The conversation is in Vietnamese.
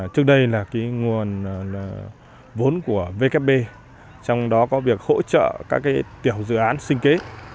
trước đây là nguồn vốn của vkp trong đó có việc hỗ trợ các tiểu dự án sinh kế